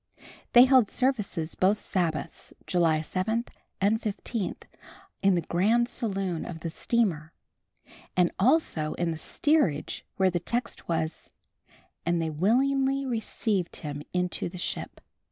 They held services both Sabbaths, July 7 and 15, in the grand saloon of the steamer, and also in the steerage where the text was "And they willingly received him into the ship."